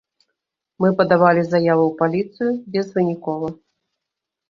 Мы падавалі заявы ў паліцыю, безвынікова.